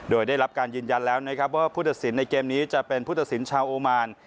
โดยได้รับการยืนยันแล้วว่าพูดศิลป์ในเกมนี้จะเป็นพูดศิลป์ชาวโอมาร